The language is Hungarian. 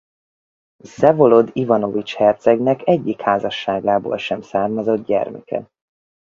Vszevolod Ivanovics hercegnek egyik házasságából sem származott gyermeke.